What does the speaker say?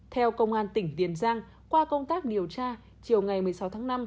theo công an tỉnh tiền giang qua công tác điều tra chiều ngày một mươi sáu tháng năm